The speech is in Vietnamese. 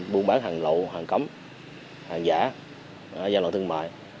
buôn bán hàng lậu hàng cấm hàng giả gian lộ thương mại